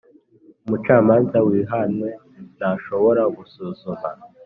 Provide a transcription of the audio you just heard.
Umucamanza wihanwe ntashobora gusuzuma